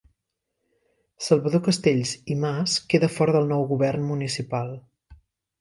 Salvador Castells i Mas queda fora del nou govern municipal.